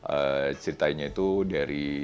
eee ceritanya itu dari